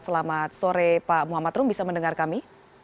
selamat sore pak muhammad rum bisa mendengar kami